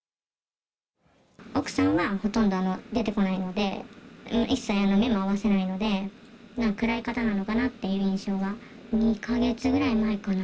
奥さんはほとんど出てこないので、一切目も合わせないので、なんか暗い方なのかなっていう印象は。